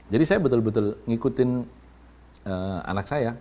jadi saya betul betul ngikutin anak saya